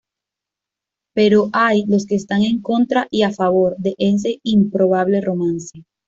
Pero hay los que están contra y a favor de ese improbable romance.